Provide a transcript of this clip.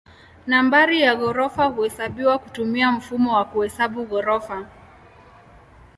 Nambari ya ghorofa huhesabiwa kutumia mfumo wa kuhesabu ghorofa.